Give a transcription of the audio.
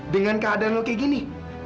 dengan keadaan lo kayak gini